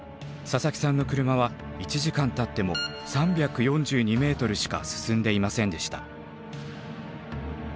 佐々木さんの車は１時間たっても３４２ｍしか進んでいませんでした。